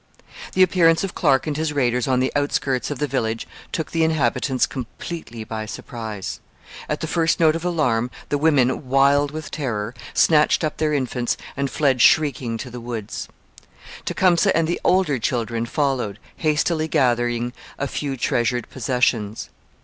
The appearance of Clark and his raiders on the outskirts of the village took the inhabitants completely by surprise. At the first note of alarm, the women, wild with terror, snatched up their infants and fled shrieking to the woods. Tecumseh and the older children followed, hastily gathering a few treasured possessions.